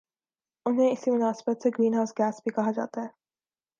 انہیں اسی مناسبت سے گرین ہاؤس گیسیں بھی کہا جاتا ہے